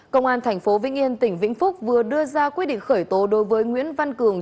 công an tp vĩnh yên tỉnh vĩnh phúc vừa đưa ra quyết định khởi tố đối với nguyễn văn cường